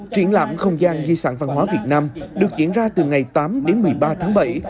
triển lãm không gian di sản văn hóa việt nam được diễn ra từ ngày tám đến một mươi ba tháng bảy